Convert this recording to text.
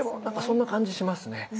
何かそんな感じしますね。